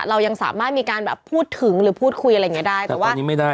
เรายังสามารถมีการแบบพูดถึงหรือพูดคุยอะไรอย่างนี้ได้